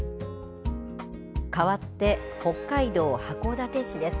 かわって北海道函館市です。